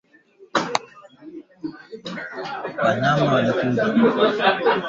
Rwanda na Jamuhuri ya kidemokrasia ya Kongo zilishirikiana katika oparesheni ya kijeshi